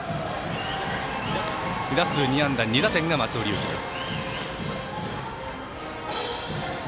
２打数２安打２打点が松尾龍樹です。